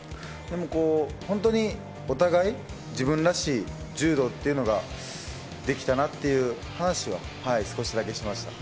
本当にお互い、自分らしい柔道っていうのができたなっていう話は、少しだけしま